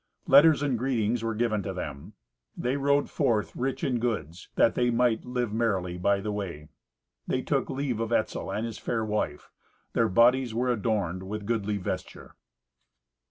Letters and greetings were given to them. They rode forth rich in goods, that they might live merrily by the way. They took leave of Etzel and his fair wife. Their bodies were adorned with goodly vesture.